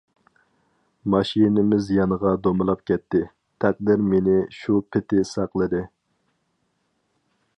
ماشىنىمىز يانغا دومىلاپ كەتتى، تەقدىر مېنى شۇ پېتى ساقلىدى.